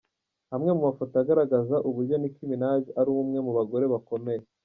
Amwe mu mafoto agaragaza uburyo Nick Minaj ari umwe mu bagore bakomeye .